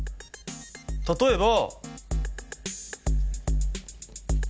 例えば。